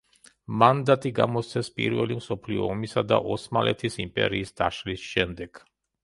მანდატი გამოსცეს პირველი მსოფლიო ომისა და ოსმალეთის იმპერიის დაშლის შემდეგ.